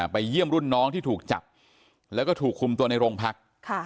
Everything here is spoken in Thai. ไปเยี่ยมรุ่นน้องที่ถูกจับแล้วก็ถูกคุมตัวในโรงพัก